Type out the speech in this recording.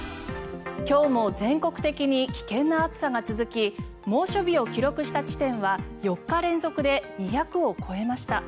今日も全国的に危険な暑さが続き猛暑日を記録した地点は４日連続で２００を超えました。